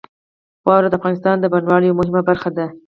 واوره د افغانستان د بڼوالۍ یوه مهمه برخه ده.